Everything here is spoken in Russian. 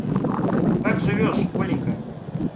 Как живешь, Оленька?